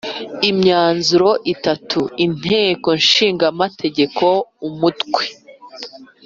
imyanzuro itatu Inteko Ishinga Amategeko Umutwe